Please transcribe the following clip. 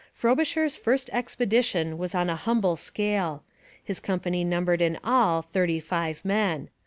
Frobisher's first expedition was on a humble scale. His company numbered in all thirty five men.